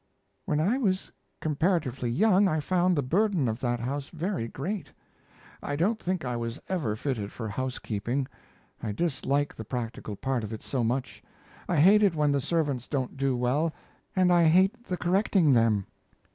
When I was comparatively young I found the burden of that house very great. I don't think I was ever fitted for housekeeping. I dislike the practical part of it so much. I hate it when the servants don't do well, and I hate the correcting them.